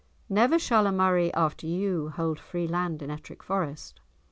Never shall a Murray after you hold free land in Ettrick Forest."